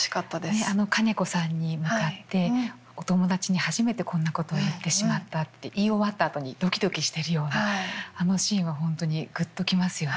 ねっあの兼子さんに向かってお友達に初めてこんなことを言ってしまったって言い終わったあとにドキドキしているようなあのシーンはほんとにぐっと来ますよね。